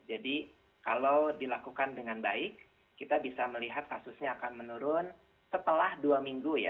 jadi kalau dilakukan dengan baik kita bisa melihat kasusnya akan menurun setelah dua minggu ya